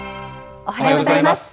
おはようございます。